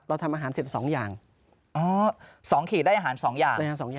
เราทำอาหารเสร็จสองอย่างอ๋อสองขีดได้อาหารสองอย่างได้อาหารสองอย่าง